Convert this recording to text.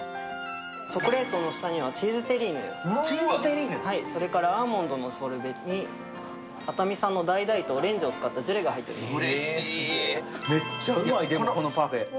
チョコレートの下にはチーズテリーヌ、それからアーモンドのソルベに熱海産のだいだいとオレンジを使ったジュレを入れています。